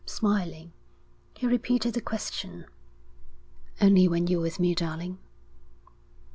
Smiling, he repeated the question. 'Only when you're with me, darling?'